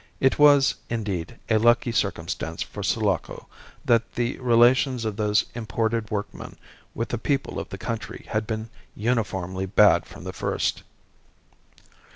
It was, indeed, a lucky circumstance for Sulaco that the relations of those imported workmen with the people of the country had been uniformly bad from the first.